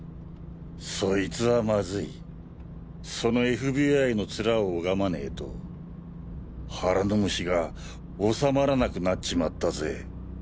そいつはマズいそのＦＢＩのツラを拝まねぇと腹の虫がおさまらなくなっちまったぜ。